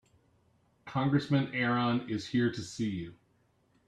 Congressman Aaron is here to see you.